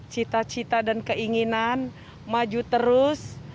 cita cita dan keinginan maju terus